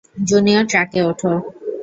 Junior ট্রাকে উঠো!